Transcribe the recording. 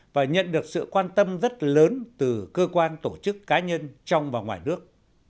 và nhận được sự quan tâm rất lớn từ cơ quan tổ chức cá nhân trong và ngoài nước